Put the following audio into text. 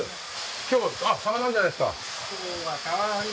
今日はあっ魚あるじゃないですか。